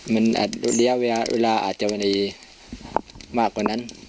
มันระยะเวลาอาจจะมากกว่านั้น